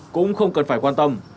cũng không cần phải quan tâm